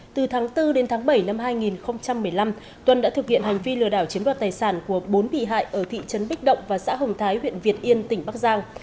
từ tháng bốn đến tháng bảy năm hai nghìn một mươi năm tuân đã thực hiện hành vi lừa đảo chiếm đoạt tài sản của bốn bị hại ở thị trấn bích động và xã hồng thái huyện việt yên tỉnh bắc giang